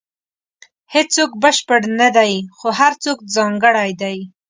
• هیڅوک بشپړ نه دی، خو هر څوک ځانګړی دی.